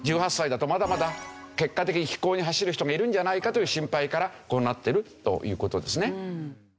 １８歳だとまだまだ結果的に非行に走る人がいるんじゃないかという心配からこうなってるという事ですね。